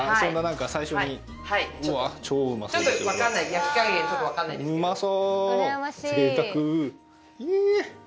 焼き加減ちょっとわかんないんですけどええー